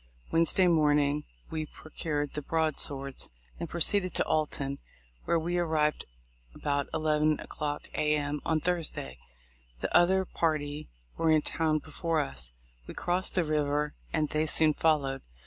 Wednesday morning we procured the broadswords, THE LIFE OF LINCOLX. 255 and proceeded to Alton, where we arrived about 11 o'clock A. M., on Thursday. The other party were in town before us. We crossed the river, and they soon followed.